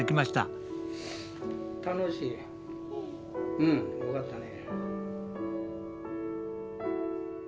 うんよかったね。